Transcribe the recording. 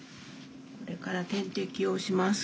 これから点滴をします。